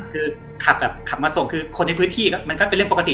คือขับแบบขับมาส่งคือคนในพื้นที่มันก็เป็นเรื่องปกติ